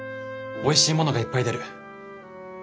おいしいものがいっぱい出る。